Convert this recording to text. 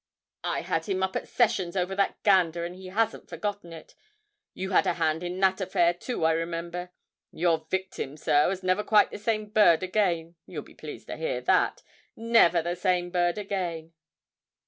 I had him up at sessions over that gander, and he hasn't forgotten it. You had a hand in that affair, too, I remember. Your victim, sir, was never the same bird again you'll be pleased to hear that never the same bird again!'